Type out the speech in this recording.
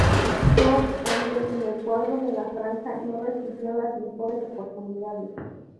No obstante, en el cuadro de la 'Franja' no recibió las mejores oportunidades.